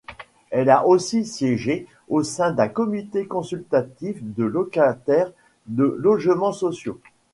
Elle a aussi siégé au sein d'un comité consultatif de locataires de logements sociaux.